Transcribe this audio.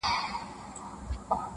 چي سرکوزی په دې پوه سو زمری زوړ دی -